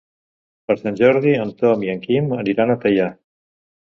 Per Sant Jordi en Tom i en Quim aniran a Teià.